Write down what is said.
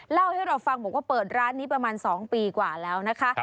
เล่าให้เราฟังบอกว่าเปิดร้านนี้ประมาณ๒ปีกว่าแล้วนะคะ